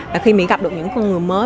và khi mình gặp được những con người mới